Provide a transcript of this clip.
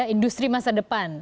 industri masa depan